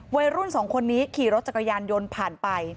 วัยรุ่นสองคนนี้ขี่รถจักรยานยนต์ผ่านไป